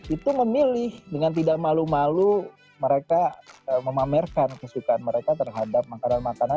itu memilih dengan tidak malu malu mereka memamerkan kesukaan mereka terhadap makanan makanan